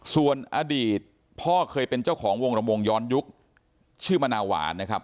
ส่วนอดีตพ่อเคยเป็นเจ้าของวงระวงย้อนยุคชื่อมะนาหวานนะครับ